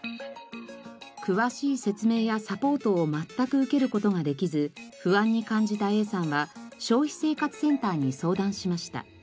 詳しい説明やサポートを全く受ける事ができず不安に感じたＡさんは消費生活センターに相談しました。